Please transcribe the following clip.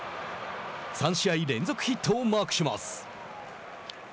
３試合連続ヒットをマークします。